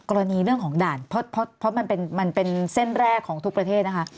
กรณีเรื่องของด่านเพราะมันเป็นเส้นแรกของทุกประเทศนะคะ